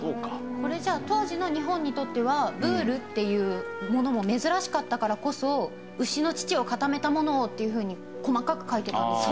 これじゃあ当時の日本にとってはブールっていうものも珍しかったからこそ「牛の乳を固めたものを」っていうふうに細かく書いてたんですね。